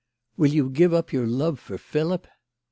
" Will you give up your love for Philip